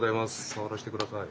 触らせて下さい。